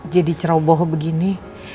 jadi ceroboh begini